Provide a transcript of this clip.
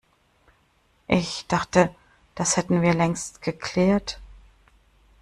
Ich dachte, das hätten wir längst geklärt.